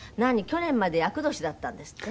去年まで厄年だったんですって？